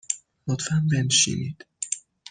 لطفاً بنشینید.